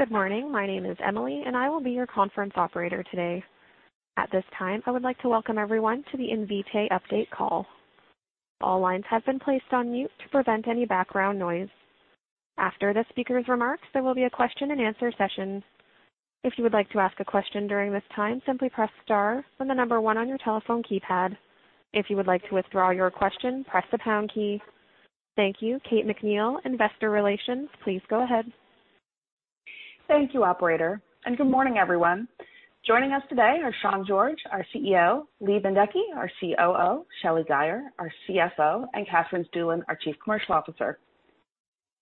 Good morning. My name is Emily and I will be your conference operator today. At this time, I would like to welcome everyone to the Invitae update call. All lines have been placed on mute to prevent any background noise. After the speaker's remarks, there will be a question and answer session. If you would like to ask a question during this time, simply press star and the number one on your telephone keypad. If you would like to withdraw your question, press the pound key. Thank you. Kate McNeil, investor relations, please go ahead. Thank you, operator, and good morning, everyone. Joining us today are Sean George, our CEO, Lee Bendekgey, our COO, Shelly Guyer, our CFO, and Katherine Stueland, our Chief Commercial Officer.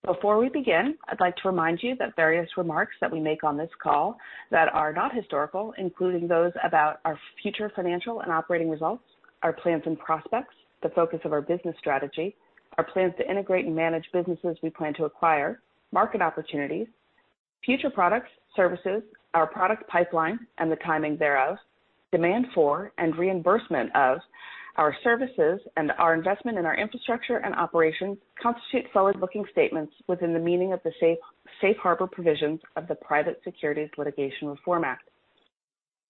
Before we begin, I'd like to remind you that various remarks that we make on this call that are not historical, including those about our future financial and operating results, our plans and prospects, the focus of our business strategy, our plans to integrate and manage businesses we plan to acquire, market opportunities, future products, services, our product pipeline and the timing thereof, demand for and reimbursement of our services, and our investment in our infrastructure and operations constitute forward-looking statements within the meaning of the safe harbor provisions of the Private Securities Litigation Reform Act.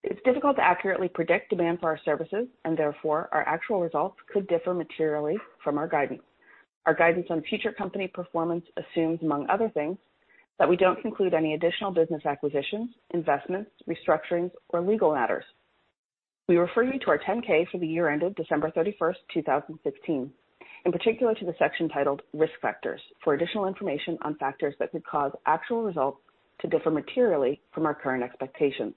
It's difficult to accurately predict demand for our services and therefore, our actual results could differ materially from our guidance. Our guidance on future company performance assumes, among other things, that we don't conclude any additional business acquisitions, investments, restructurings, or legal matters. We refer you to our 10-K for the year ended December 31st, 2016. In particular, to the section titled Risk Factors for additional information on factors that could cause actual results to differ materially from our current expectations.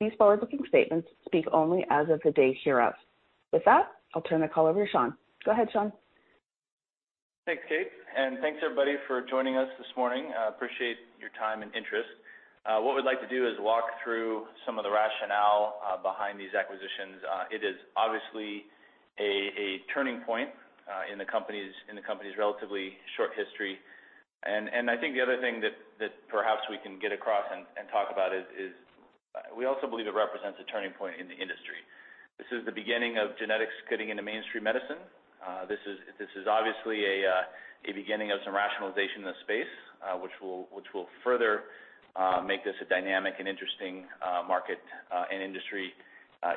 These forward-looking statements speak only as of the date hereof. With that, I'll turn the call over to Sean. Go ahead, Sean. Thanks, Kate. Thanks everybody for joining us this morning. I appreciate your time and interest. What we'd like to do is walk through some of the rationale behind these acquisitions. It is obviously a turning point, in the company's relatively short history. I think the other thing that perhaps we can get across and talk about is, we also believe it represents a turning point in the industry. This is the beginning of genetics getting into mainstream medicine. This is obviously a beginning of some rationalization in the space, which will further make this a dynamic and interesting market, and industry,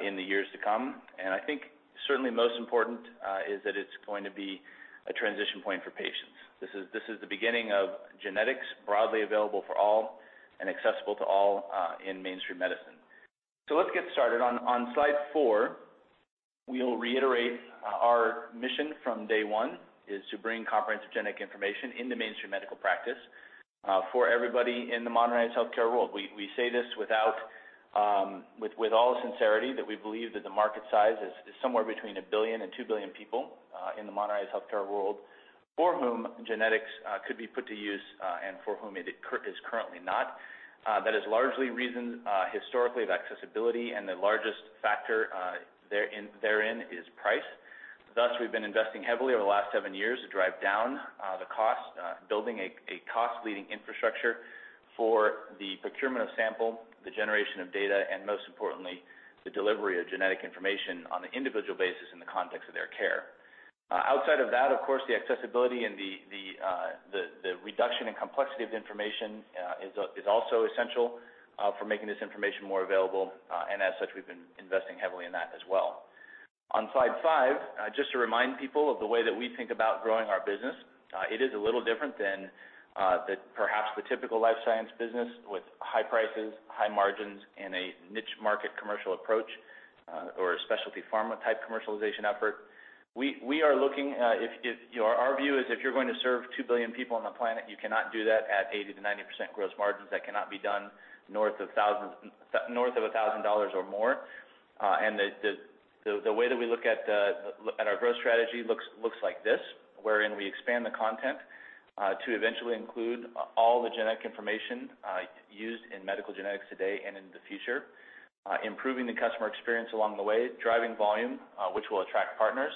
in the years to come. I think certainly most important, is that it's going to be a transition point for patients. This is the beginning of genetics broadly available for all and accessible to all in mainstream medicine. Let's get started. On slide four, we'll reiterate our mission from day one is to bring comprehensive genetic information into mainstream medical practice for everybody in the modernized healthcare world. We say this with all sincerity, that we believe that the market size is somewhere between 1 billion and 2 billion people in the modernized healthcare world for whom genetics could be put to use and for whom it is currently not. That is largely reasoned historically of accessibility and the largest factor therein is price. We've been investing heavily over the last 7 years to drive down the cost, building a cost-leading infrastructure for the procurement of sample, the generation of data, and most importantly, the delivery of genetic information on the individual basis in the context of their care. Outside of that, of course, the accessibility and the reduction in complexity of information is also essential for making this information more available. As such, we've been investing heavily in that as well. On slide five, just to remind people of the way that we think about growing our business. It is a little different than perhaps the typical life science business with high prices, high margins, and a niche market commercial approach or a specialty pharma type commercialization effort. Our view is if you're going to serve 2 billion people on the planet, you cannot do that at 80%-90% gross margins. That cannot be done north of $1,000 or more. The way that we look at our growth strategy looks like this, wherein we expand the content, to eventually include all the genetic information used in medical genetics today and into the future. Improving the customer experience along the way. Driving volume, which will attract partners.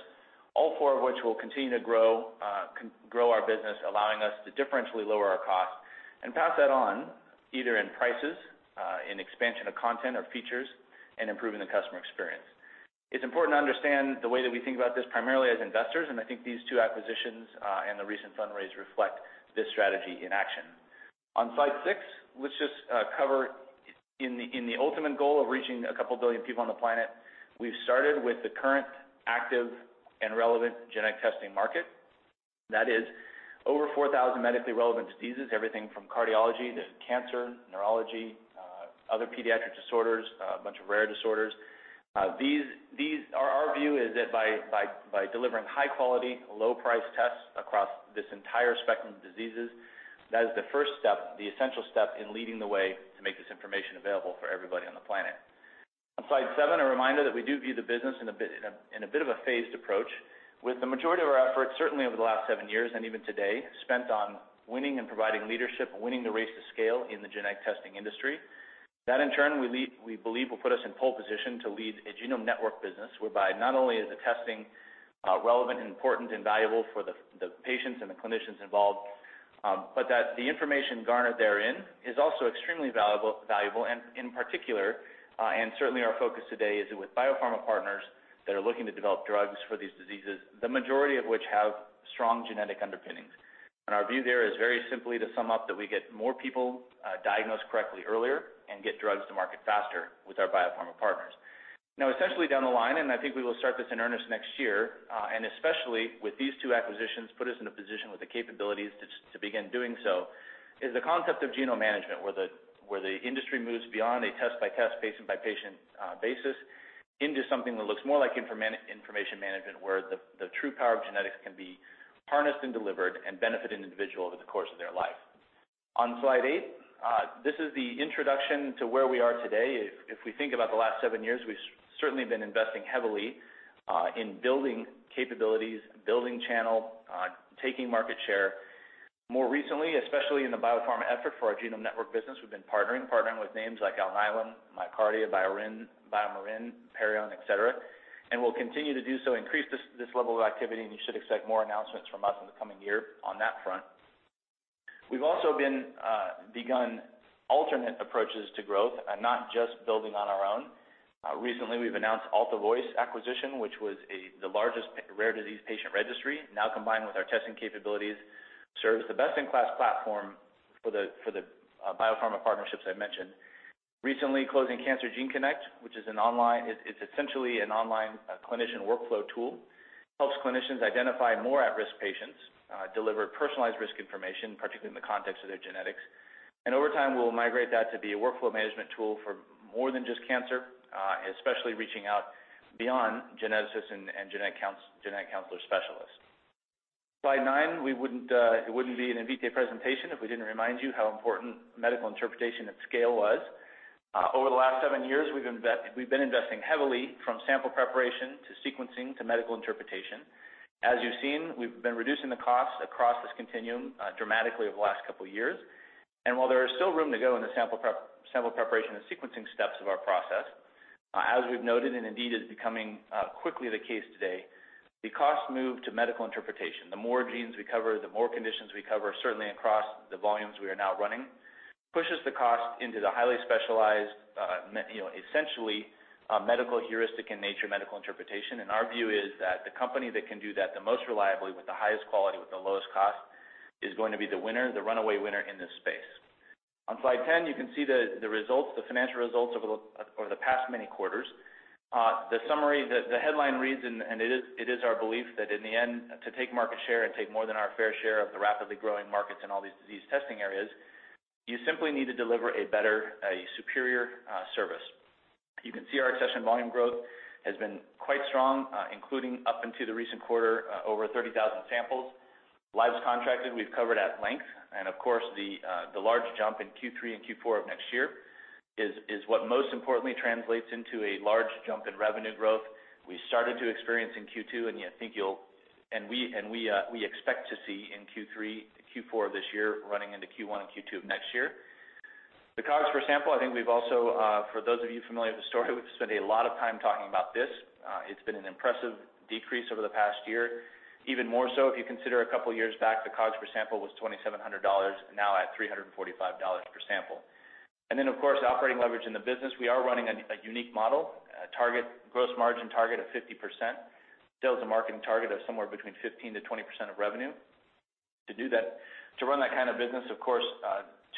All four of which will continue to grow our business, allowing us to differentially lower our cost and pass that on either in prices, in expansion of content or features, and improving the customer experience. It's important to understand the way that we think about this primarily as investors. I think these two acquisitions, and the recent fundraise reflect this strategy in action. On slide six, let's just cover in the ultimate goal of reaching a couple billion people on the planet, we've started with the current, active and relevant genetic testing market. That is over 4,000 medically relevant diseases, everything from cardiology to cancer, neurology, other pediatric disorders, a bunch of rare disorders. Our view is that by delivering high quality, low price tests across this entire spectrum of diseases, that is the first step, the essential step in leading the way to make this information available for everybody on the planet. On slide seven, a reminder that we do view the business in a bit of a phased approach with the majority of our efforts, certainly over the last 7 years and even today, spent on winning and providing leadership and winning the race to scale in the genetic testing industry. That, in turn, we believe will put us in pole position to lead a genome network business, whereby not only is the testing relevant and important and valuable for the patients and the clinicians involved, but that the information garnered therein is also extremely valuable. In particular, and certainly our focus today is with biopharma partners that are looking to develop drugs for these diseases, the majority of which have strong genetic underpinnings. Our view there is very simply to sum up that we get more people diagnosed correctly earlier and get drugs to market faster with our biopharma partners. Essentially down the line, and I think we will start this in earnest next year, and especially with these two acquisitions, put us in a position with the capabilities to begin doing so, is the concept of genome management, where the industry moves beyond a test-by-test, patient-by-patient basis into something that looks more like information management, where the true power of genetics can be harnessed and delivered and benefit an individual over the course of their life. On slide eight, this is the introduction to where we are today. If we think about the last seven years, we've certainly been investing heavily in building capabilities, building channel, taking market share. More recently, especially in the biopharma effort for our genome network business, we've been partnering with names like Alnylam, MyoKardia, BioMarin, Parion, et cetera, and we'll continue to do so, increase this level of activity, and you should expect more announcements from us in the coming year on that front. We've also begun alternate approaches to growth and not just building on our own. Recently, we've announced AltaVoice acquisition, which was the largest rare disease patient registry, now combined with our testing capabilities, serves the best-in-class platform for the biopharma partnerships I mentioned. Recently closing CancerGene Connect, which is essentially an online clinician workflow tool. Helps clinicians identify more at-risk patients, deliver personalized risk information, particularly in the context of their genetics. Over time, we'll migrate that to be a workflow management tool for more than just cancer, especially reaching out beyond geneticists and genetic counselor specialists. Slide nine, it wouldn't be an Invitae presentation if we didn't remind you how important medical interpretation at scale was. Over the last seven years, we've been investing heavily from sample preparation, to sequencing, to medical interpretation. As you've seen, we've been reducing the cost across this continuum dramatically over the last couple of years. While there is still room to go in the sample preparation and sequencing steps of our process, as we've noted, and indeed is becoming quickly the case today, the cost move to medical interpretation, the more genes we cover, the more conditions we cover, certainly across the volumes we are now running, pushes the cost into the highly specialized, essentially, medical heuristic in nature, medical interpretation. Our view is that the company that can do that the most reliably with the highest quality, with the lowest cost, is going to be the winner, the runaway winner in this space. On slide 10, you can see the financial results over the past many quarters. The headline reads, and it is our belief, that in the end, to take market share and take more than our fair share of the rapidly growing markets in all these disease testing areas, you simply need to deliver a better, a superior service. You can see our accession volume growth has been quite strong, including up into the recent quarter, over 30,000 samples. Lives contracted, we've covered at length. Of course, the large jump in Q3 and Q4 of next year is what most importantly translates into a large jump in revenue growth we started to experience in Q2, and we expect to see in Q3, Q4 of this year, running into Q1 and Q2 of next year. The COGS per sample, I think we've also, for those of you familiar with the story, we've spent a lot of time talking about this. It's been an impressive decrease over the past year. Even more so if you consider a couple of years back, the COGS per sample was $2,700, now at $345 per sample. Of course, operating leverage in the business. We are running a unique model. A gross margin target of 50%. Sales and marketing target of somewhere between 15%-20% of revenue. To run that kind of business, of course,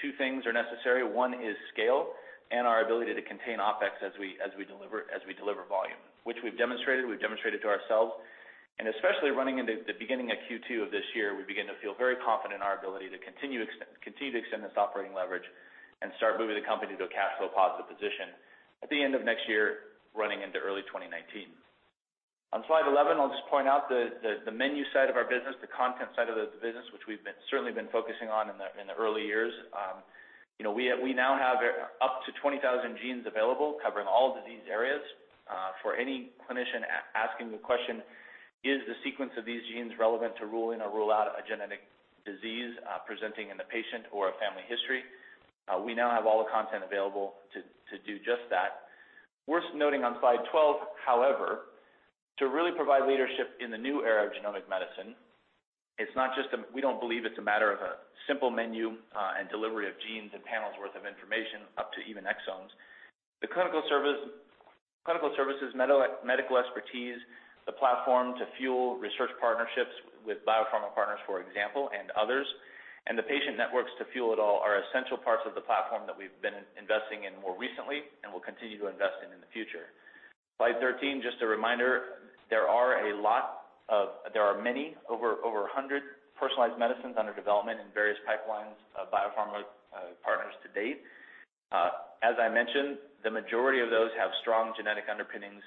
two things are necessary. One is scale and our ability to contain OpEx as we deliver volume, which we've demonstrated. We've demonstrated to ourselves. Especially running into the beginning of Q2 of this year, we begin to feel very confident in our ability to continue to extend this operating leverage and start moving the company to a cash flow positive position at the end of next year, running into early 2019. On slide 11, I'll just point out the menu side of our business, the content side of the business, which we've certainly been focusing on in the early years. We now have up to 20,000 genes available, covering all disease areas. For any clinician asking the question: Is the sequence of these genes relevant to rule in or rule out a genetic disease presenting in a patient or a family history? We now have all the content available to do just that. Worth noting on slide 12, however, to really provide leadership in the new era of genomic medicine, we don't believe it's a matter of a simple menu and delivery of genes and panels worth of information up to even exons. The clinical services, medical expertise, the platform to fuel research partnerships with biopharma partners, for example, and others, and the patient networks to fuel it all are essential parts of the platform that we've been investing in more recently and will continue to invest in in the future. Slide 13, just a reminder, there are many, over 100, personalized medicines under development in various pipelines of biopharma partners to date. As I mentioned, the majority of those have strong genetic underpinnings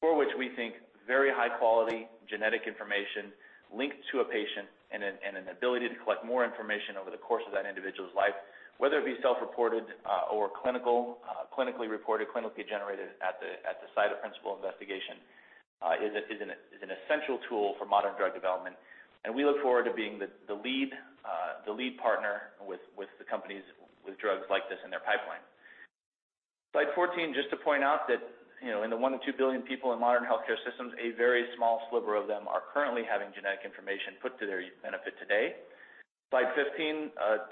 for which we think very high quality genetic information linked to a patient and an ability to collect more information over the course of that individual's life, whether it be self-reported or clinically reported, clinically generated at the site of principal investigation, is an essential tool for modern drug development. We look forward to being the lead partner with the companies with drugs like this in their pipeline. Slide 14, just to point out that in the 1 billion-2 billion people in modern healthcare systems, a very small sliver of them are currently having genetic information put to their benefit today. Slide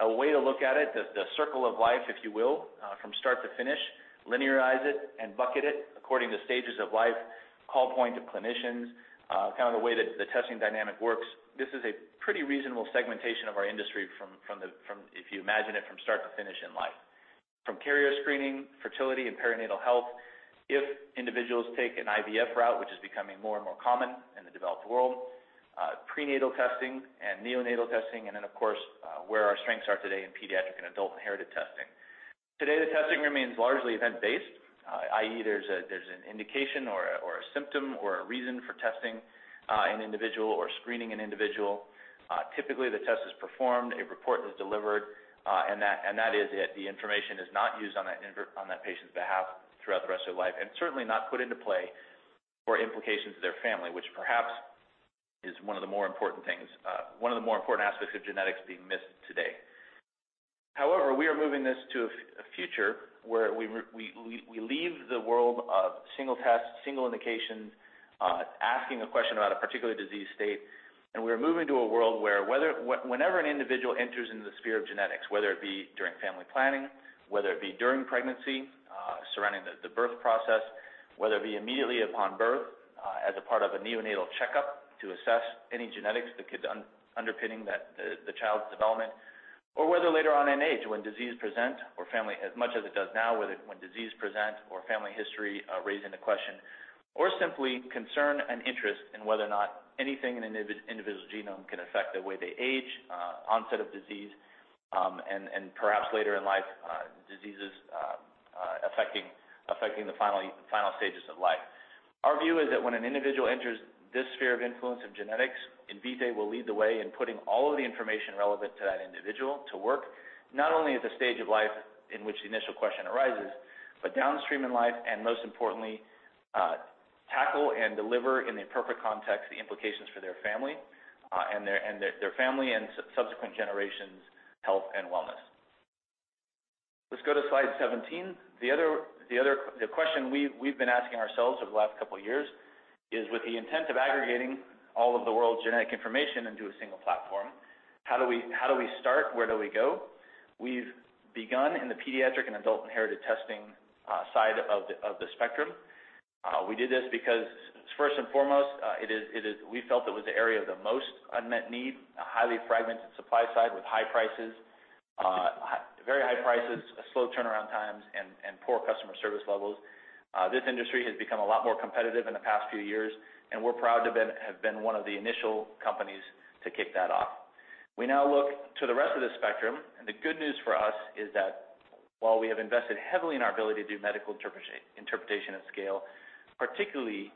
15, a way to look at it, the circle of life, if you will, from start to finish, linearize it and bucket it according to stages of life, call point to clinicians, kind of the way that the testing dynamic works. This is a pretty reasonable segmentation of our industry if you imagine it from start to finish in life. From carrier screening, fertility, and perinatal health. If individuals take an IVF route, which is becoming more and more common in the developed world, prenatal testing and neonatal testing, then, of course, where our strengths are today in pediatric and adult inherited testing. Today, the testing remains largely event-based, i.e. there's an indication or a symptom or a reason for testing an individual or screening an individual. Typically, the test is performed, a report is delivered, and that is it. The information is not used on that patient's behalf throughout the rest of their life, certainly not put into play for implications to their family, which perhaps is one of the more important aspects of genetics being missed today. However, we are moving this to a future where we leave the world of single tests, single indications, asking a question about a particular disease state, we are moving to a world where whenever an individual enters into the sphere of genetics, whether it be during family planning, whether it be during pregnancy, surrounding the birth process, whether it be immediately upon birth, as a part of a neonatal checkup to assess any genetics underpinning the child's development, whether later on in age, as much as it does now, when disease present or family history raising the question, simply concern and interest in whether or not anything in an individual's genome can affect the way they age, onset of disease, perhaps later in life, diseases affecting the final stages of life. Our view is that when an individual enters this sphere of influence of genetics, Invitae will lead the way in putting all of the information relevant to that individual to work, not only at the stage of life in which the initial question arises, downstream in life, most importantly, tackle and deliver in the appropriate context, the implications for their family and subsequent generations' health and wellness. Let's go to slide 17. The question we've been asking ourselves over the last couple of years is with the intent of aggregating all of the world's genetic information into a single platform, how do we start? Where do we go? We've begun in the pediatric and adult inherited testing side of the spectrum. We did this because, first and foremost, we felt it was the area of the most unmet need, a highly fragmented supply side with very high prices, slow turnaround times, and poor customer service levels. This industry has become a lot more competitive in the past few years, we're proud to have been one of the initial companies to kick that off. We now look to the rest of the spectrum, the good news for us is that while we have invested heavily in our ability to do medical interpretation at scale, particularly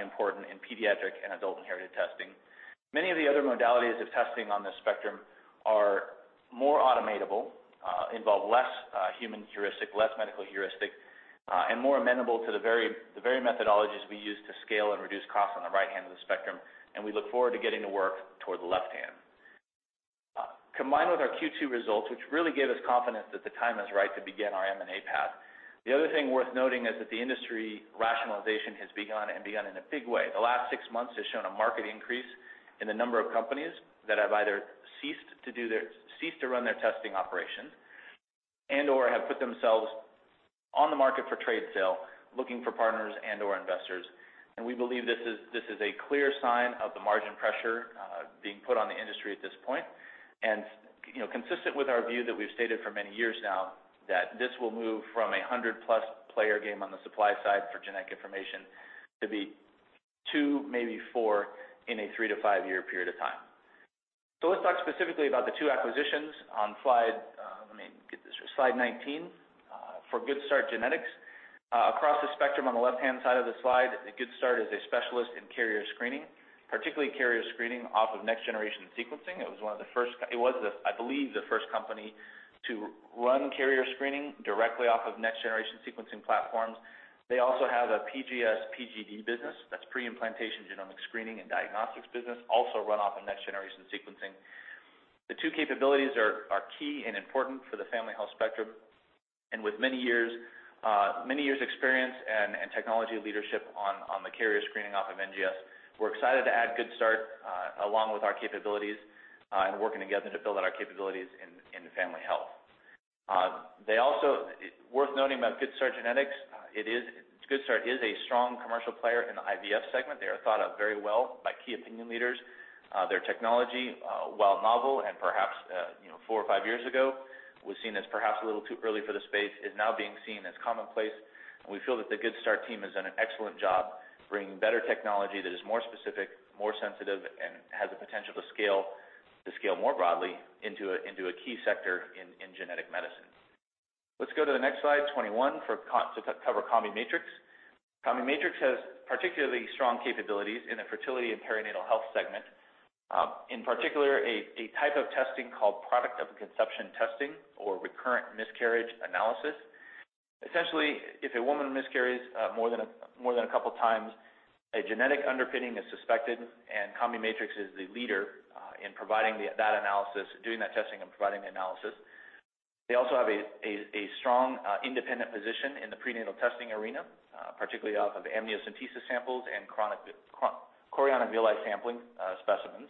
important in pediatric and adult inherited testing, many of the other modalities of testing on this spectrum are more automatable, involve less human heuristic, less medical heuristic, More amenable to the very methodologies we use to scale and reduce costs on the right-hand of the spectrum, we look forward to getting to work toward the left hand. Combined with our Q2 results, which really gave us confidence that the time is right to begin our M&A path. The other thing worth noting is that the industry rationalization has begun and begun in a big way. The last six months has shown a marked increase in the number of companies that have either ceased to run their testing operations and/or have put themselves on the market for trade sale, looking for partners and/or investors. We believe this is a clear sign of the margin pressure being put on the industry at this point. Consistent with our view that we've stated for many years now that this will move from a 100-plus player game on the supply side for genetic information to be two, maybe four, in a three to five-year period of time. Let's talk specifically about the two acquisitions on slide 19. For Good Start Genetics, across the spectrum on the left-hand side of the slide, Good Start is a specialist in carrier screening, particularly carrier screening off of next-generation sequencing. It was, I believe, the first company to run carrier screening directly off of next-generation sequencing platforms. They also have a PGS/PGD business. That's pre-implantation genomic screening and diagnostics business, also run off of next-generation sequencing. The two capabilities are key and important for the family health spectrum. With many years' experience and technology leadership on the carrier screening off of NGS, we're excited to add Good Start along with our capabilities and working together to build out our capabilities in family health. Worth noting about Good Start Genetics, Good Start is a strong commercial player in the IVF segment. They are thought of very well by key opinion leaders. Their technology, while novel and perhaps four or five years ago, was seen as perhaps a little too early for the space, is now being seen as commonplace. We feel that the Good Start team has done an excellent job bringing better technology that is more specific, more sensitive, and has the potential to scale more broadly into a key sector in genetic medicine. Let's go to the next slide 21 to cover CombiMatrix. CombiMatrix has particularly strong capabilities in the fertility and perinatal health segment. In particular, a type of testing called product of conception testing or recurrent miscarriage analysis. Essentially, if a woman miscarries more than a couple times, a genetic underpinning is suspected, and CombiMatrix is the leader in doing that testing and providing the analysis. They also have a strong independent position in the prenatal testing arena, particularly off of amniocentesis samples and chorionic villus sampling specimens,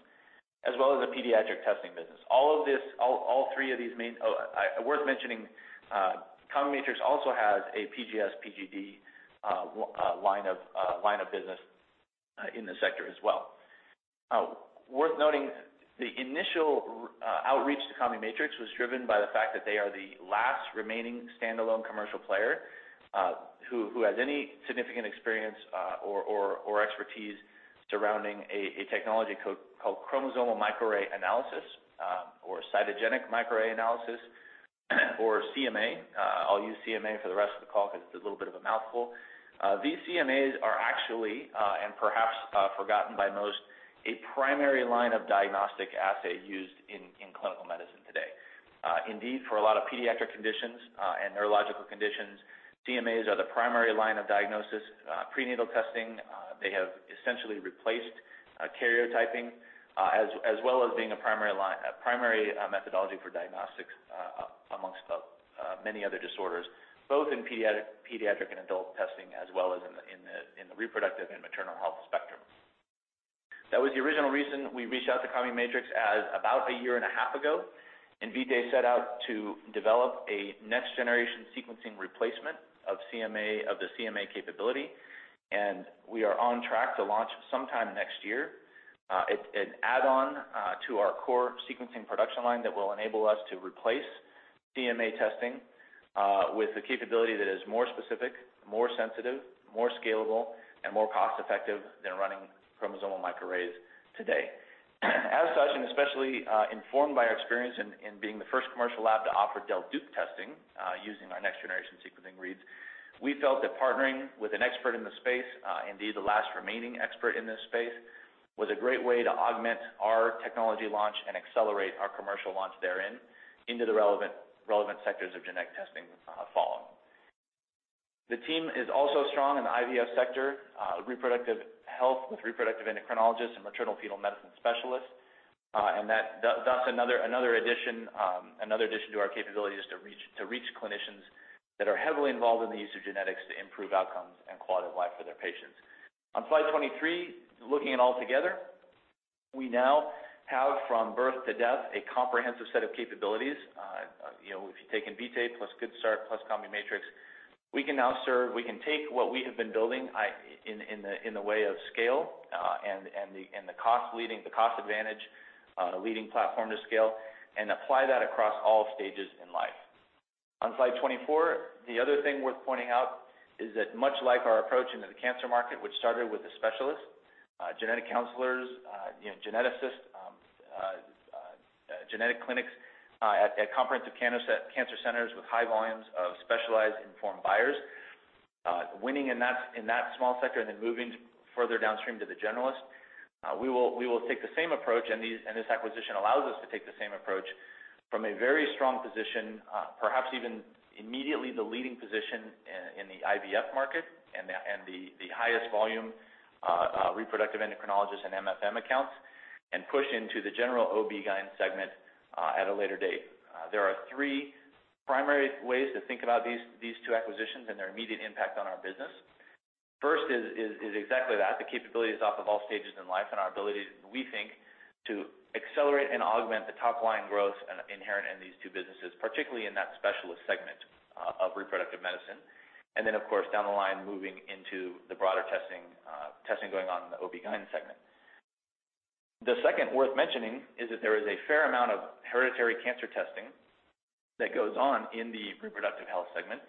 as well as a pediatric testing business. Worth mentioning, CombiMatrix also has a PGS PGD line of business in the sector as well. Worth noting, the initial outreach to CombiMatrix was driven by the fact that they are the last remaining standalone commercial player who has any significant experience or expertise surrounding a technology called chromosomal microarray analysis or cytogenetic microarray analysis, or CMA. I'll use CMA for the rest of the call because it's a little bit of a mouthful. These CMAs are actually, and perhaps forgotten by most, a primary line of diagnostic assay used in clinical medicine today. Indeed, for a lot of pediatric conditions and neurological conditions, CMAs are the primary line of diagnosis. Prenatal testing, they have essentially replaced karyotyping, as well as being a primary methodology for diagnostics amongst many other disorders, both in pediatric and adult testing, as well as in the reproductive and maternal health spectrum. That was the original reason we reached out to CombiMatrix about a year and a half ago. Invitae set out to develop a next-generation sequencing replacement of the CMA capability. We are on track to launch sometime next year. It's an add-on to our core sequencing production line that will enable us to replace CMA testing with the capability that is more specific, more sensitive, more scalable, and more cost-effective than running chromosomal microarrays today. As such, and especially informed by our experience in being the first commercial lab to offer Dup testing using our next-generation sequencing reads, we felt that partnering with an expert in the space, indeed the last remaining expert in this space, was a great way to augment our technology launch and accelerate our commercial launch therein into the relevant sectors of genetic testing that follow. The team is also strong in the IVF sector, reproductive health with reproductive endocrinologists and maternal fetal medicine specialists. That's another addition to our capabilities to reach clinicians that are heavily involved in the use of genetics to improve outcomes and quality of life for their patients. On slide 23, looking at it all together, we now have from birth to death, a comprehensive set of capabilities. If you've taken Invitae plus Good Start plus CombiMatrix, we can take what we have been building in the way of scale and the cost advantage leading platform to scale, and apply that across all stages in life. On slide 24, the other thing worth pointing out is that much like our approach into the cancer market, which started with the specialists, genetic counselors, geneticists, genetic clinics at comprehensive cancer centers with high volumes of specialized informed buyers. Winning in that small sector and then moving further downstream to the generalist. We will take the same approach, this acquisition allows us to take the same approach from a very strong position, perhaps even immediately the leading position in the IVF market and the highest volume reproductive endocrinologist and MFM accounts, and push into the general OBGYN segment at a later date. There are three primary ways to think about these two acquisitions and their immediate impact on our business. First is exactly that, the capabilities off of all stages in life and our ability, we think, to accelerate and augment the top-line growth inherent in these two businesses, particularly in that specialist segment of reproductive medicine. Then, of course, down the line, moving into the broader testing going on in the OBGYN segment. The second worth mentioning is that there is a fair amount of hereditary cancer testing that goes on in the reproductive health segment.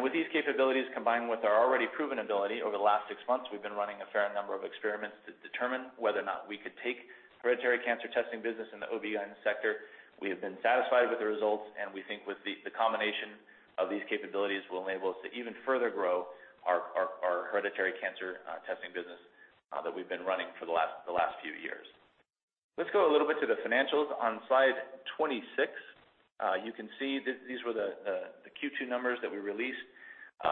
With these capabilities, combined with our already proven ability over the last six months, we've been running a fair number of experiments to determine whether or not we could take hereditary cancer testing business in the OBGYN sector. We have been satisfied with the results, and we think with the combination of these capabilities will enable us to even further grow our hereditary cancer testing business that we've been running for the last few years. Let's go a little bit to the financials on slide 26. You can see these were the Q2 numbers that we released.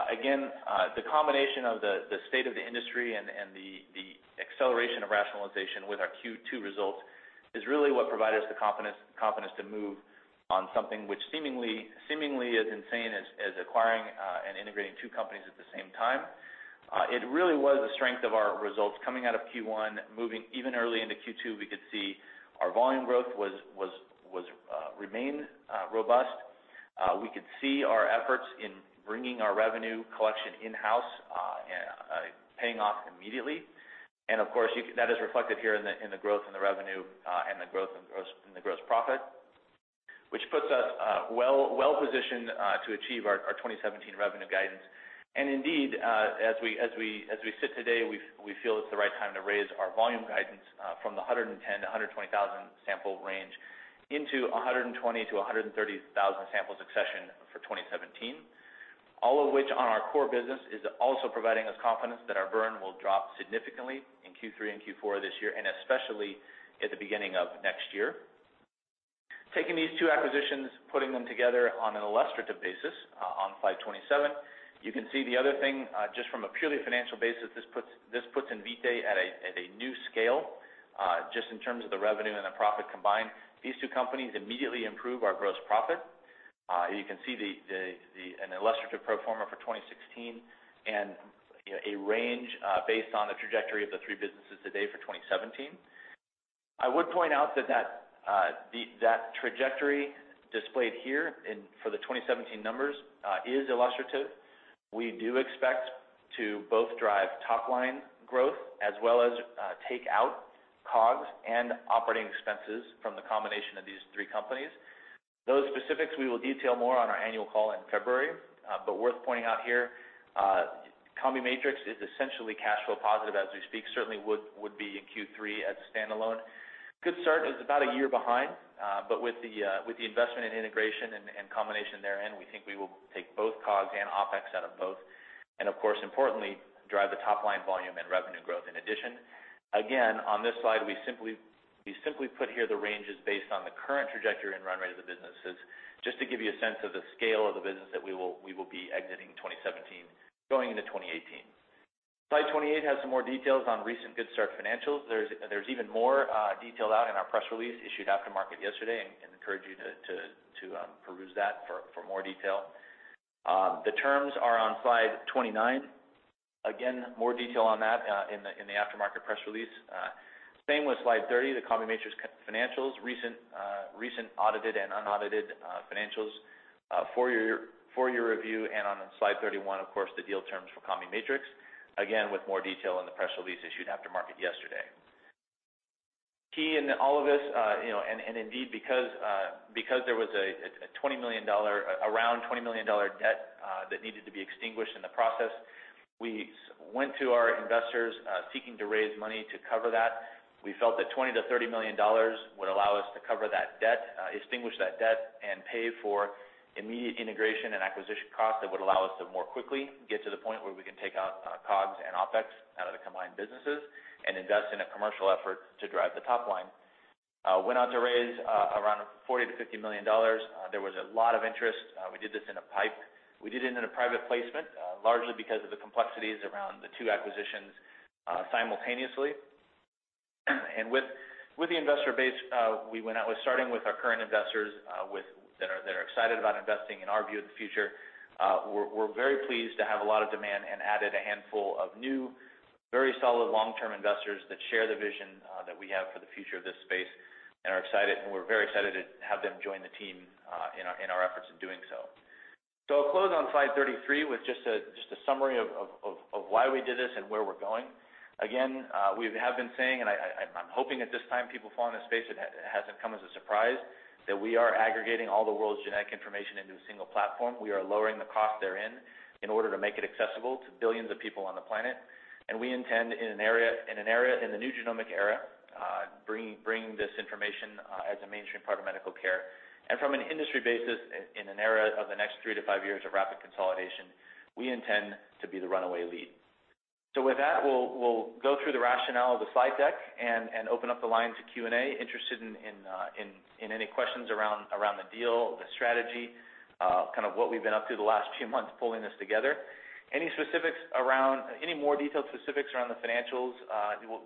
Again, the combination of the state of the industry and the acceleration of rationalization with our Q2 results is really what provided us the confidence to move on something which seemingly as insane as acquiring and integrating two companies at the same time. It really was the strength of our results coming out of Q1, moving even early into Q2, we could see our volume growth remained robust. We could see our efforts in bringing our revenue collection in-house paying off immediately. Of course, that is reflected here in the growth in the revenue and the growth in the gross profit, which puts us well-positioned to achieve our 2017 revenue guidance. Indeed, as we sit today, we feel it's the right time to raise our volume guidance from the 110,000-120,000 sample range into 120,000-130,000 sample succession for 2017. All of which on our core business is also providing us confidence that our burn will drop significantly in Q3 and Q4 this year, and especially at the beginning of next year. Taking these two acquisitions, putting them together on an illustrative basis on slide 27. You can see the other thing, just from a purely financial basis, this puts Invitae at a new scale. Just in terms of the revenue and the profit combined, these two companies immediately improve our gross profit. You can see an illustrative pro forma for 2016, and a range based on the trajectory of the three businesses today for 2017. I would point out that trajectory displayed here for the 2017 numbers is illustrative. We do expect to both drive top-line growth as well as take out COGS and operating expenses from the combination of these three companies. Those specifics we will detail more on our annual call in February. Worth pointing out here, CombiMatrix is essentially cash flow positive as we speak. Certainly would be in Q3 as a standalone. Good Start is about a year behind. With the investment and integration and combination therein, we think we will take both COGS and OpEx out of both. Of course, importantly, drive the top-line volume and revenue growth in addition. Again, on this slide, we simply put here the ranges based on the current trajectory and run rate of the businesses, just to give you a sense of the scale of the business that we will be exiting 2017 going into 2018. Slide 28 has some more details on recent Good Start financials. There is even more detail out in our press release issued after market yesterday, and encourage you to peruse that for more detail. The terms are on slide 29. Again, more detail on that in the after-market press release. Same with slide 30, the CombiMatrix financials, recent audited and unaudited financials for your review. On slide 31, of course, the deal terms for CombiMatrix. Again, with more detail in the press release issued after market yesterday. Key in all of this, and indeed because there was around $20 million debt that needed to be extinguished in the process, we went to our investors seeking to raise money to cover that. We felt that $20 million to $30 million would allow us to cover that debt, extinguish that debt, and pay for immediate integration and acquisition costs that would allow us to more quickly get to the point where we can take out COGS and OpEx out of the combined businesses and invest in a commercial effort to drive the top line. Went on to raise around $40 million to $50 million. There was a lot of interest. We did this in a PIPE. We did it in a private placement, largely because of the complexities around the two acquisitions simultaneously. With the investor base, we went out with starting with our current investors that are excited about investing in our view of the future. We're very pleased to have a lot of demand and added a handful of new, very solid long-term investors that share the vision that we have for the future of this space and we're very excited to have them join the team in our efforts in doing so. I'll close on slide 33 with just a summary of why we did this and where we're going. Again, we have been saying, and I'm hoping at this time, people following this space, it hasn't come as a surprise, that we are aggregating all the world's genetic information into a single platform. We are lowering the cost therein in order to make it accessible to billions of people on the planet. We intend, in an area in the new genomic era, bringing this information as a mainstream part of medical care. From an industry basis, in an era of the next 3-5 years of rapid consolidation, we intend to be the runaway lead. With that, we'll go through the rationale of the slide deck and open up the line to Q&A. Interested in any questions around the deal, the strategy, kind of what we've been up to the last two months pulling this together. Any more detailed specifics around the financials,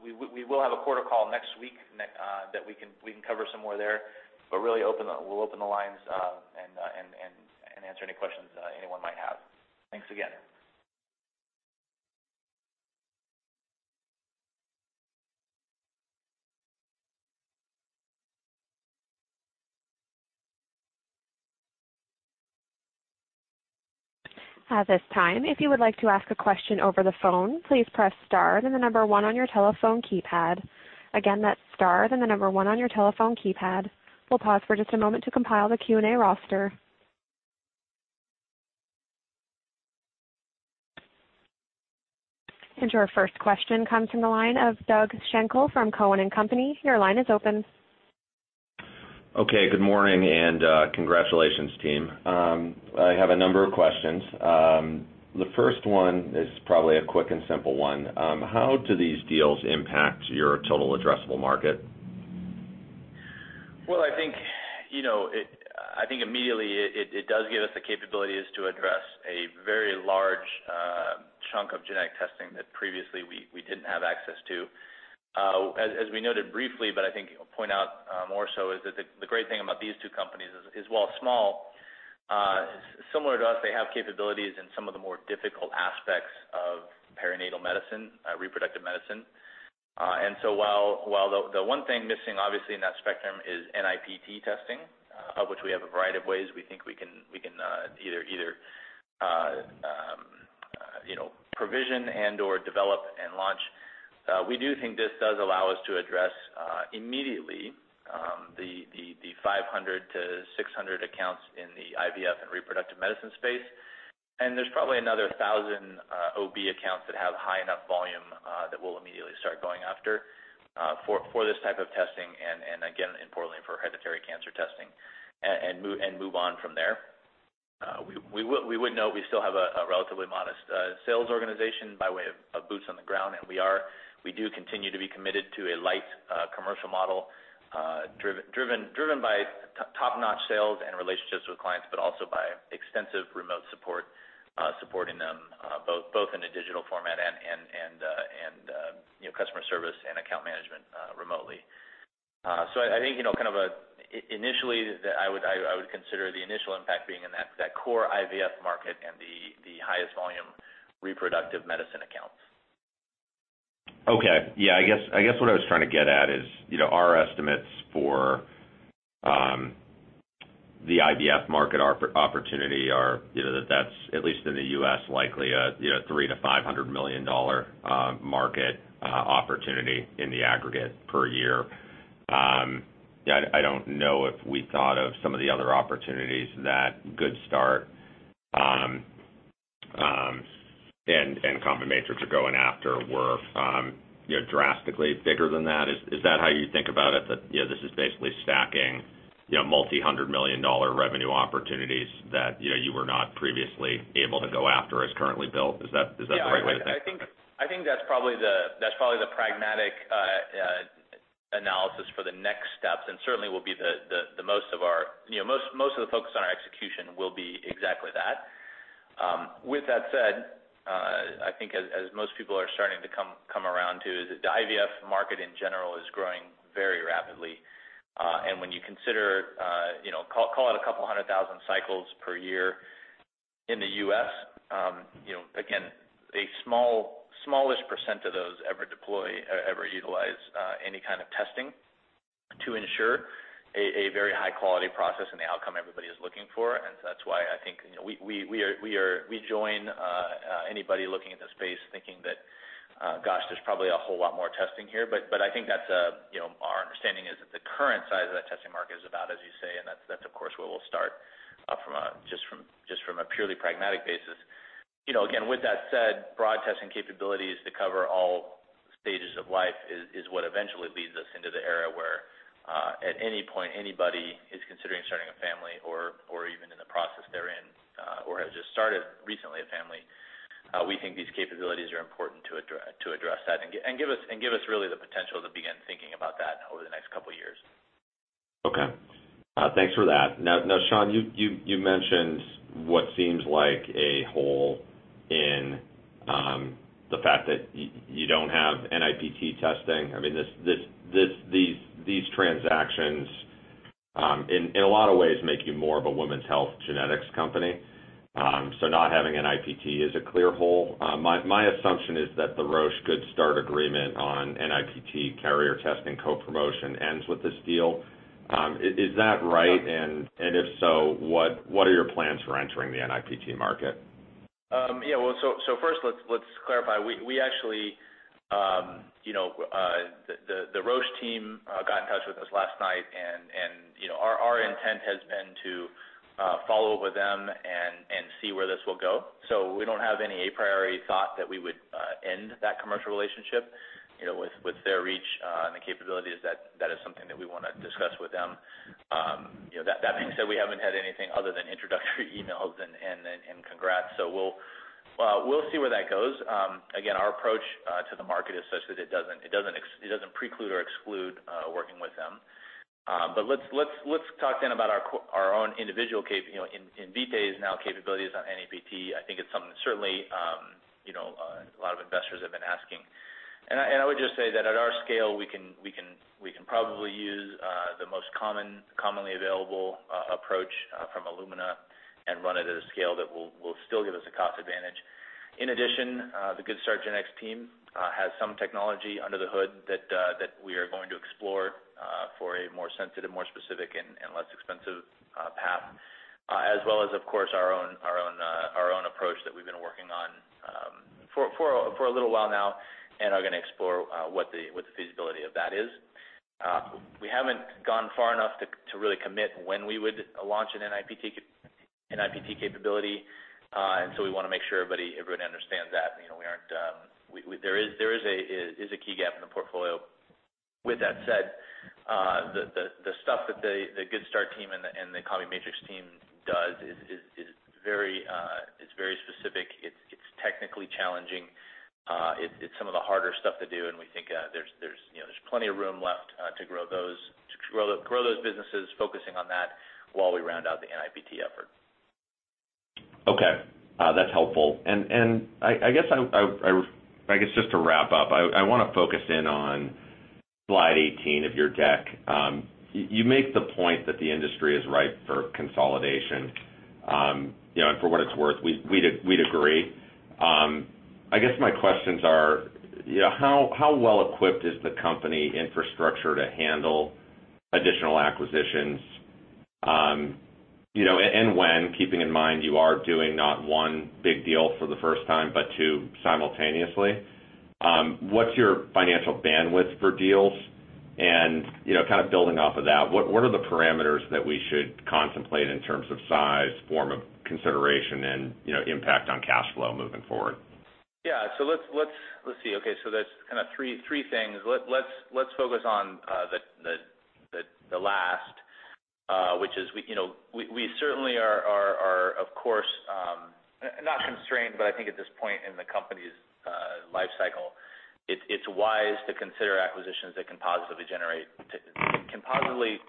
we will have a quarter call next week that we can cover some more there. Really, we'll open the lines and answer any questions anyone might have. Thanks again. At this time, if you would like to ask a question over the phone, please press star, then the number one on your telephone keypad. Again, that's star, then the number one on your telephone keypad. We'll pause for just a moment to compile the Q&A roster. Our first question comes from the line of Doug Schenkel from Cowen and Company. Your line is open. Okay, good morning, and congratulations, team. I have a number of questions. The first one is probably a quick and simple one. How do these deals impact your total addressable market? Well, I think immediately, it does give us the capabilities to address a very large chunk of genetic testing that previously we didn't have access to. As we noted briefly, but I think point out more so is that the great thing about these two companies is, while small, similar to us, they have capabilities in some of the more difficult aspects of perinatal medicine, reproductive medicine. While the one thing missing obviously in that spectrum is NIPT testing, of which we have a variety of ways we think we can either provision and/or develop and launch. We do think this does allow us to address immediately the 500 to 600 accounts in the IVF and reproductive medicine space. There's probably another 1,000 OB accounts that have high enough volume that we'll immediately start going after for this type of testing and again, importantly, for hereditary cancer testing and move on from there. We would note we still have a relatively modest sales organization by way of boots on the ground, and we do continue to be committed to a light commercial model driven by top-notch sales and relationships with clients, but also by extensive remote support, supporting them both in a digital format and customer service and account management remotely. I think, initially, I would consider the initial impact being in that core IVF market and the highest volume reproductive medicine accounts. Okay. I guess what I was trying to get at is, our estimates for the IVF market opportunity are, that that's, at least in the U.S., likely a $300 million-$500 million market opportunity in the aggregate per year. I don't know if we thought of some of the other opportunities that Good Start and CombiMatrix are going after were drastically bigger than that. Is that how you think about it? That this is basically stacking multi-hundred million dollar revenue opportunities that you were not previously able to go after as currently built? Is that the right way to think about it? I think that's probably the pragmatic analysis for the next steps, and certainly most of the focus on our execution will be exactly that. With that said, I think, as most people are starting to come around to, is the IVF market in general is growing very rapidly. When you consider, call it a couple hundred thousand cycles per year in the U.S., again, a smallish percent of those ever utilize any kind of testing to ensure a very high-quality process and the outcome everybody is looking for. That's why I think we join anybody looking at the space thinking that, gosh, there's probably a whole lot more testing here. I think our understanding is that the current size of that testing market is about, as you say, and that's of course where we'll start just from a purely pragmatic basis. With that said, broad testing capabilities to cover all stages of life is what eventually leads us into the era where at any point, anybody is considering starting a family, or even in the process they're in, or have just started recently a family, we think these capabilities are important to address that and give us really the potential to begin thinking about that over the next couple of years. Okay. Thanks for that. Now, Sean, you mentioned what seems like a hole in the fact that you don't have NIPT testing. I mean, these transactions, in a lot of ways make you more of a women's health genetics company. Not having NIPT is a clear hole. My assumption is that the Roche Good Start agreement on NIPT carrier testing co-promotion ends with this deal. Is that right? If so, what are your plans for entering the NIPT market? Yeah. Well, first, let's clarify. The Roche team got in touch with us last night and our intent has been to follow up with them and see where this will go. We don't have any a priori thought that we would end that commercial relationship, with their reach and the capabilities, that is something that we want to discuss with them. That being said, we haven't had anything other than introductory emails and congrats. We'll see where that goes. Again, our approach to the market is such that it doesn't preclude or exclude working with them. Let's talk then about our own individual, Invitae's now capabilities on NIPT. I think it's something that certainly a lot of investors have been asking. I would just say that at our scale, we can probably use the most commonly available approach from Illumina and run it at a scale that will still give us a cost advantage. In addition, the Good Start Genetics team has some technology under the hood that we are going to explore for a more sensitive, more specific, and less expensive path. As well as, of course, our own approach that we've been working on for a little while now, and are going to explore what the feasibility of that is. We haven't gone far enough to really commit when we would launch an NIPT capability. We want to make sure everybody understands that. There is a key gap in the portfolio. With that said, the stuff that the Good Start team and the CombiMatrix team does is very specific. It's technically challenging. It's some of the harder stuff to do. We think there's plenty of room left to grow those businesses, focusing on that while we round out the NIPT effort. Okay. That's helpful. I guess just to wrap up, I want to focus in on slide 18 of your deck. You make the point that the industry is ripe for consolidation. For what it's worth, we'd agree. I guess my questions are, how well equipped is the company infrastructure to handle additional acquisitions? When, keeping in mind you are doing not one big deal for the first time, but two simultaneously. What's your financial bandwidth for deals? Kind of building off of that, what are the parameters that we should contemplate in terms of size, form of consideration, and impact on cash flow moving forward? Let's see. That's kind of three things. Let's focus on the last, which is, we certainly are, of course, not constrained, but I think at this point in the company's life cycle, it's wise to consider acquisitions that can positively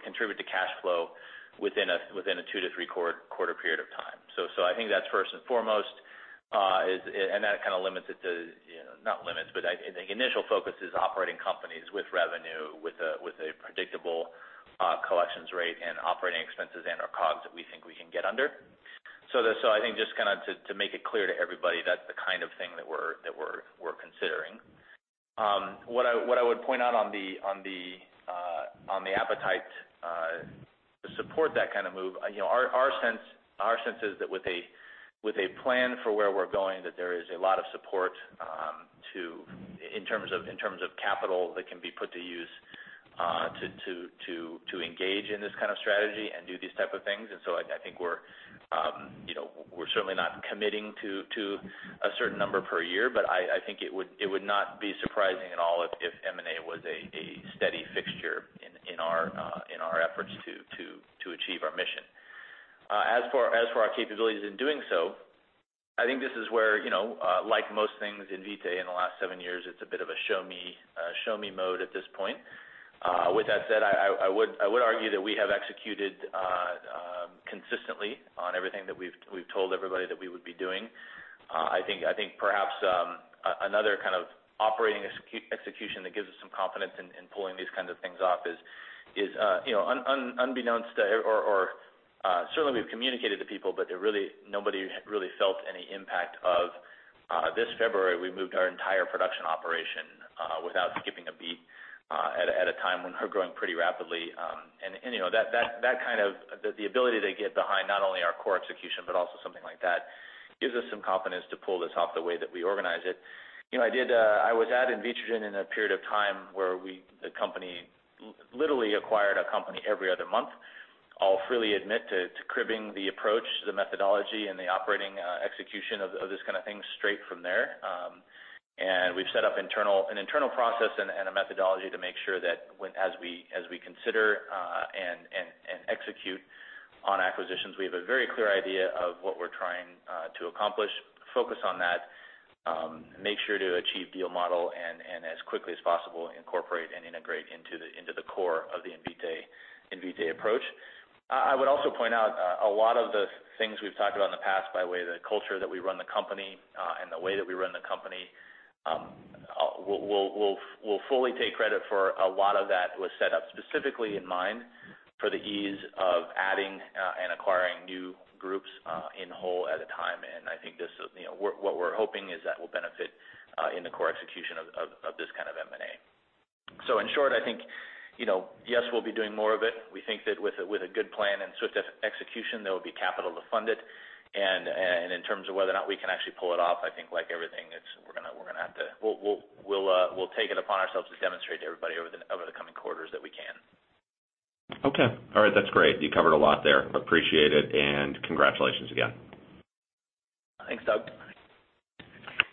contribute to cash flow within a two to three quarter period of time. I think that's first and foremost, and that kind of limits it to, not limits, but I think initial focus is operating companies with revenue, with a predictable collections rate and operating expenses and/or COGS that we think we can get under. I think just to make it clear to everybody, that's the kind of thing that we're considering. What I would point out on the appetite to support that kind of move, our sense is that with a plan for where we're going, that there is a lot of support in terms of capital that can be put to use, to engage in this kind of strategy and do these type of things. I think we're certainly not committing to a certain number per year, but I think it would not be surprising at all if M&A was a steady fixture in our efforts to achieve our mission. As for our capabilities in doing so, I think this is where, like most things Invitae in the last seven years, it's a bit of a show me mode at this point. With that said, I would argue that we have executed consistently on everything that we've told everybody that we would be doing. I think perhaps, another kind of operating execution that gives us some confidence in pulling these kinds of things off is unbeknownst, or certainly we've communicated to people, but nobody really felt any impact of this February, we moved our entire production operation without skipping a beat, at a time when we're growing pretty rapidly. The ability to get behind not only our core execution, but also something like that, gives us some confidence to pull this off the way that we organize it. I was at Invitrogen in a period of time where the company literally acquired a company every other month. I'll freely admit to cribbing the approach, the methodology, and the operating execution of this kind of thing straight from there. We've set up an internal process and a methodology to make sure that as we consider and execute on acquisitions, we have a very clear idea of what we're trying to accomplish, focus on that, make sure to achieve deal model, and as quickly as possible, incorporate and integrate into the core of the Invitae approach. I would also point out a lot of the things we've talked about in the past, by way of the culture that we run the company and the way that we run the company, we'll fully take credit for a lot of that was set up specifically in mind for the ease of adding and acquiring new groups in whole at a time. I think what we're hoping is that will benefit in the core execution of this kind of M&A. In short, I think, yes, we'll be doing more of it. We think that with a good plan and swift execution, there will be capital to fund it. In terms of whether or not we can actually pull it off, I think like everything, we'll take it upon ourselves to demonstrate to everybody over the coming quarters that we can. Okay. All right. That's great. You covered a lot there. Appreciate it, and congratulations again. Thanks, Doug.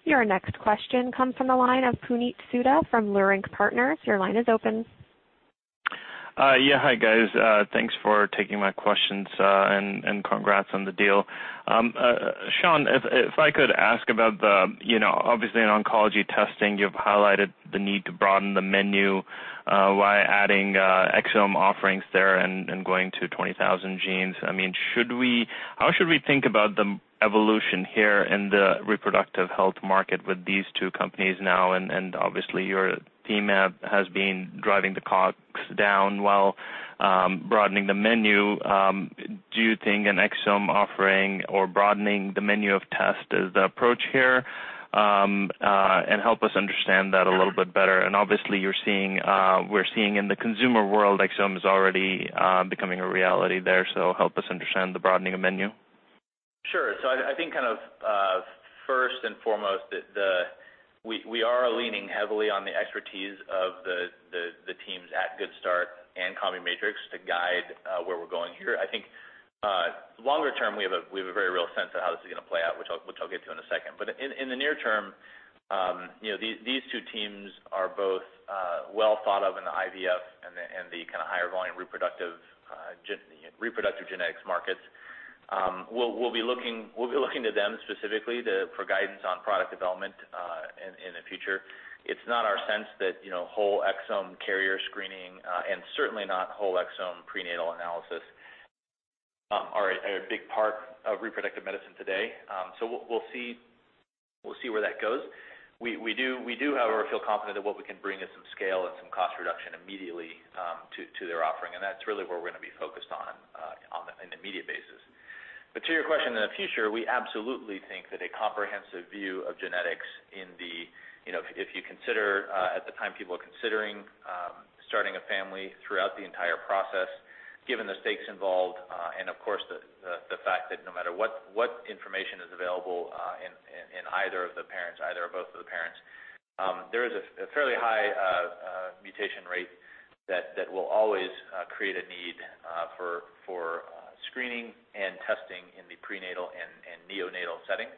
Your next question comes from the line of Puneet Souda from Leerink Partners. Your line is open. Yeah. Hi, guys. Thanks for taking my questions and congrats on the deal. Sean, if I could ask about the, obviously in oncology testing, you've highlighted the need to broaden the menu while adding exome offerings there and going to 20,000 genes. How should we think about the evolution here in the reproductive health market with these two companies now? Obviously your team has been driving the COGS down while broadening the menu. Do you think an exome offering or broadening the menu of tests is the approach here? Help us understand that a little bit better. Obviously we're seeing in the consumer world, exome is already becoming a reality there, so help us understand the broadening of menu. Sure. I think kind of first and foremost, we are leaning heavily on the expertise of the teams at Good Start and CombiMatrix to guide where we're going here. I think longer term, we have a very real sense of how this is going to play out, which I'll get to in a second. In the near term these two teams are both well thought of in the IVF and the kind of higher volume reproductive genetics markets. We'll be looking to them specifically for guidance on product development in the future. It's not our sense that whole exome carrier screening and certainly not whole exome prenatal analysis are a big part of reproductive medicine today. We'll see where that goes. We do however feel confident that what we can bring is some scale and some cost reduction immediately to their offering, and that's really where we're going to be focused on, in the immediate basis. To your question, in the future, we absolutely think that a comprehensive view of genetics in the. If you consider at the time people are considering starting a family throughout the entire process, given the stakes involved, and of course the fact that no matter what information is available in either of both of the parents, there is a fairly high mutation rate that will always create a need for screening and testing in the prenatal and neonatal setting.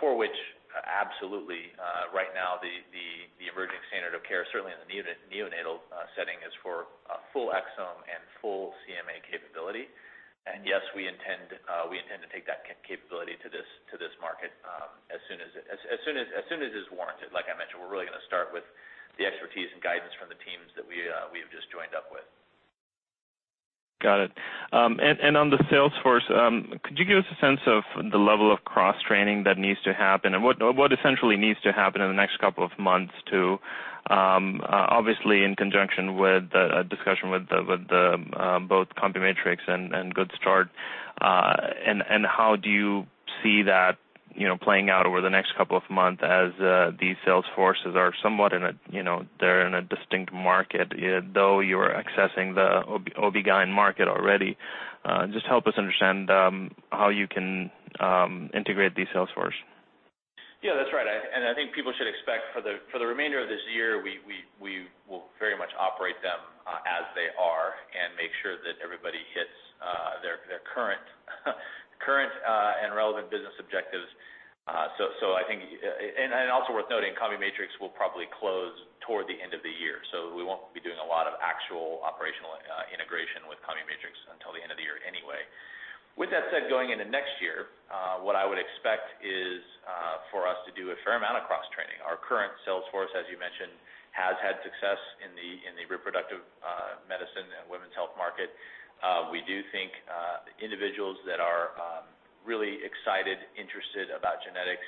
For which absolutely right now the care, certainly in the neonatal setting, is for full exome and full CMA capability. Yes, we intend to take that capability to this market as soon as it is warranted. Like I mentioned, we're really going to start with the expertise and guidance from the teams that we have just joined up with. Got it. On the sales force, could you give us a sense of the level of cross-training that needs to happen and what essentially needs to happen in the next couple of months to, obviously in conjunction with a discussion with both CombiMatrix and Good Start. How do you see that playing out over the next couple of months as these sales forces are somewhat in a distinct market, though you are accessing the OBGYN market already? Just help us understand how you can integrate these sales force. Yeah, that's right. I think people should expect for the remainder of this year, we will very much operate them as they are and make sure that everybody hits their current and relevant business objectives. Also worth noting, CombiMatrix will probably close toward the end of the year, so we won't be doing a lot of actual operational integration with CombiMatrix until the end of the year anyway. With that said, going into next year, what I would expect is for us to do a fair amount of cross-training. Our current sales force, as you mentioned, has had success in the reproductive medicine and women's health market. We do think individuals that are really excited, interested about genetics,